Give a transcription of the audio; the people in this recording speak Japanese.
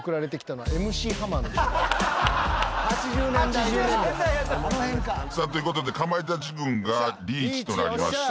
あの辺か。ということでかまいたち軍がリーチとなりました。